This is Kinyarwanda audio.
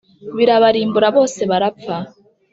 birabarimbura bose barapfa